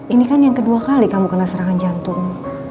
ini kan yang kedua kali kamu kena serangan jantung